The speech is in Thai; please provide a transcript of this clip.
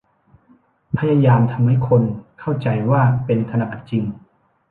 พยายามทำให้คนเข้าใจว่าเป็นธนบัตรจริง